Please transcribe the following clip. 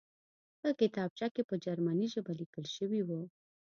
په کتابچه کې په جرمني ژبه لیکل شوي وو